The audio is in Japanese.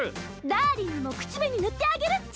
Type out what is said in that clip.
ダーリンにも口紅塗ってあげるっちゃ。